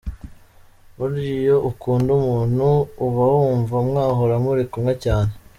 Burya iyo ukunda umuntu ubawunva mwahora muri kumwe cyane.